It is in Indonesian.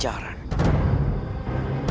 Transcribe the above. jangan sampai di sini